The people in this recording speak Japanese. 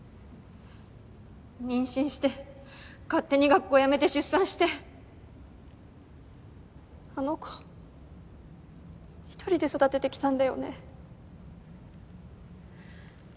妊娠して勝手に学校やめて出産してあの子ひとりで育ててきたんだよね。